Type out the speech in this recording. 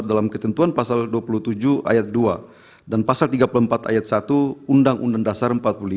dalam ketentuan pasal dua puluh tujuh ayat dua dan pasal tiga puluh empat ayat satu undang undang dasar empat puluh lima